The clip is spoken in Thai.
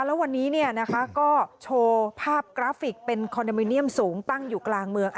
แล้ววันนี้ก็โชว์ภาพกราฟิกเป็นคอนโดมิเนียมสูงตั้งอยู่กลางเมือง